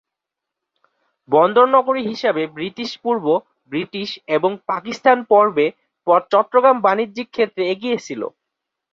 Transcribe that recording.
বন্দর নগরী হিসাবে ব্রিটিশ-পূর্ব, ব্রিটিশ এবং পাকিস্তান পর্বে চট্টগ্রাম বাণিজ্যিক ক্ষেত্রে এগিয়ে ছিল।